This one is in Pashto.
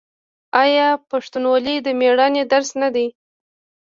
آیا پښتونولي د میړانې درس نه دی؟